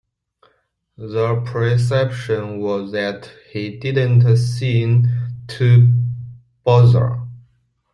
The perception was that he didn't seem to bother.